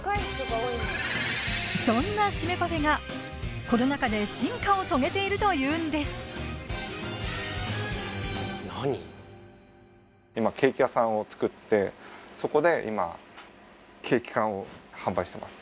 そんなシメパフェがコロナ禍で進化を遂げているというんですしてます